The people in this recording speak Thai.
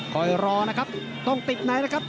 รอนะครับต้องติดในนะครับ